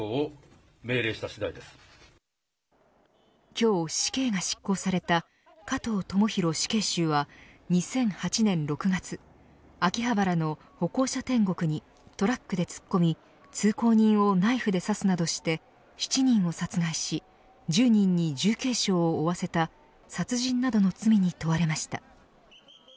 今日、死刑が執行された加藤智大死刑囚は２００８年６月秋葉原の歩行者天国にトラックで突っ込み通行人をナイフで刺すなどして７人を殺害し１０人に重軽傷を負わせた殺人などの罪に問われました。